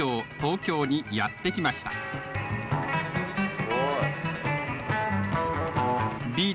すごい！